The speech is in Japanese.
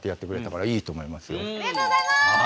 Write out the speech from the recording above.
ありがとうございます！